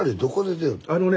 あのね